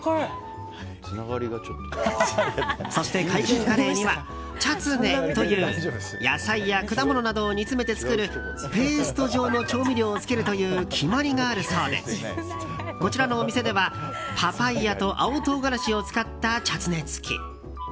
そして、海軍カレーにはチャツネという野菜や果物などを煮詰めて作るペースト状の調味料をつけるという決まりがあるそうでこちらのお店ではパパイアと青唐辛子を使ったチャツネ付き。